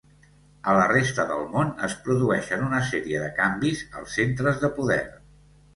A la resta del món, es produeixen una sèrie de canvis als centres de poder.